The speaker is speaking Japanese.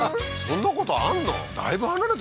そんなことあんの？